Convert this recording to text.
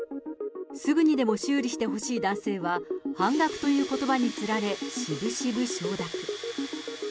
すぐにでも修理してほしい男性は、半額ということばにつられ、しぶしぶ承諾。